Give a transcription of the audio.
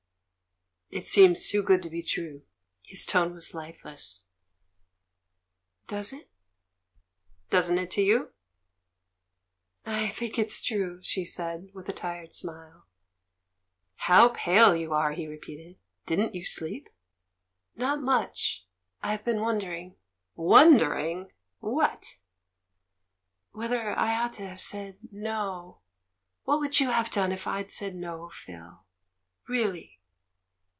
"It seems too good to be true." His tone was lifeless. "Does it?" "Doesn't it to you?" "I think it's true," she said, with a tired smile. "How pale you are!" he repeated. "Didn't you sleep?" "Not much. I've been wondering." "'Wondering'? What?" "Whether I ought to have said 'no.' What would you have done if I'd said 'no,' Phil? Real ly?"